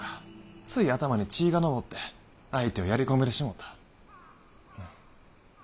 つい頭に血が上って相手をやり込めてしもうた。